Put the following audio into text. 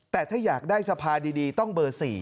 แต่ถ้าอยากได้สภาดีต้องเบอร์๔